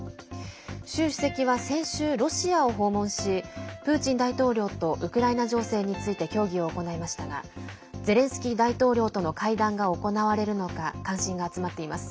習主席は先週、ロシアを訪問しプーチン大統領とウクライナ情勢について協議を行いましたがゼレンスキー大統領との会談が行われるのか関心が集まっています。